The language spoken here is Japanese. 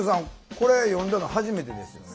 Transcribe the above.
これ読んだの初めてですよね？